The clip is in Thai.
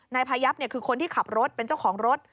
นายพายับคือคนที่ขับรถเป็นเจ้าของรถ